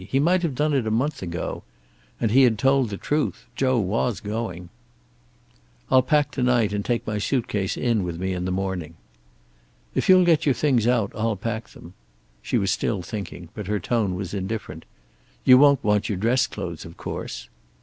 He might have done it a month ago. And he had told the truth; Joe was going. "I'll pack to night, and take my suitcase in with me in the morning." "If you'll get your things out I'll pack them." She was still thinking, but her tone was indifferent. "You won't want your dress clothes, of course."